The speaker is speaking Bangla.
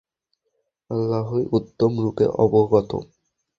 আল্লাহই উত্তমরূপে অবগত।